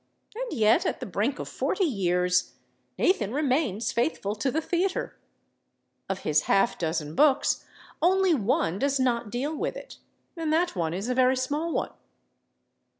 And yet, at the brink of forty years, Nathan remains faithful to the theater; of his half dozen books, only one does not deal with it, and that one is a very small one.